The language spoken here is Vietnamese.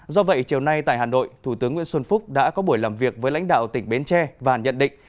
do vậy chiều nay tại hà nội thủ tướng nguyễn xuân phúc đã có buổi làm việc với lãnh đạo tỉnh bến tre và nhận định